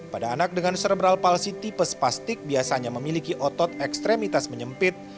pada anak dengan serebral palsi tipe spastik biasanya memiliki otot ekstremitas menyempit